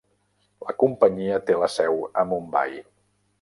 La companyia té la seu a Mumbai.